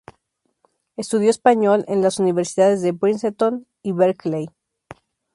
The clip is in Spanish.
Estudió español en las universidades de Princeton y Berkeley.